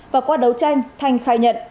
và qua đấu tranh thanh khai nhận